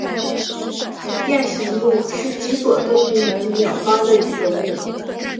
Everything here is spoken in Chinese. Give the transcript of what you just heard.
雁形目是脊索动物门鸟纲的一个目。